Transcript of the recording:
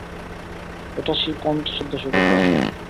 এটা সেই পঞ্চাশের দশকের কথা।